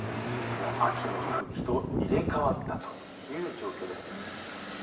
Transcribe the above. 秋の空気と入れ替わったという状況です。